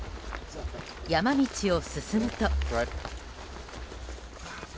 山道を進むと。